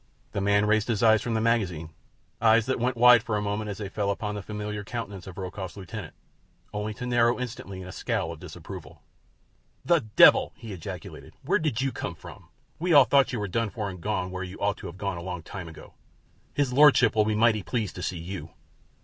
The man raised his eyes from the magazine—eyes that went wide for a moment as they fell upon the familiar countenance of Rokoff's lieutenant, only to narrow instantly in a scowl of disapproval. "The devil!" he ejaculated. "Where did you come from? We all thought you were done for and gone where you ought to have gone a long time ago. His lordship will be mighty pleased to see you."